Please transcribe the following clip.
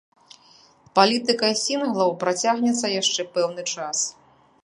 Палітыка сінглаў працягнецца яшчэ пэўны час.